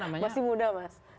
masih muda mas